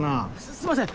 すすいません。